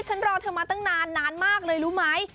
ฉันรอเธอมาตั้งนานนานมากเลยรู้ไหม